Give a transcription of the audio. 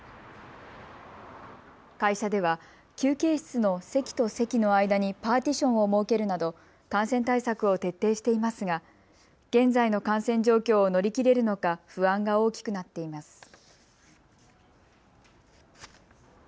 会社では休憩室の席と席の間にパーティションを設けるなど感染対策を徹底していますが現在の感染状況を乗り切れるのか不安が大きくなっています。